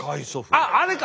あっあれか！